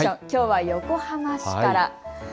きょうは横浜市から。